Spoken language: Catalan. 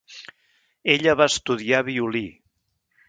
Ella va estudiar violí.